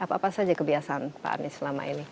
apa apa saja kebiasaan pak anies selama ini